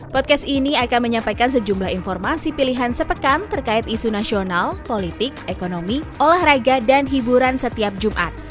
podcast ini akan menyampaikan sejumlah informasi pilihan sepekan terkait isu nasional politik ekonomi olahraga dan hiburan setiap jumat